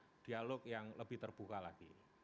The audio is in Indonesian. ruang ruang dialog yang lebih terbuka lagi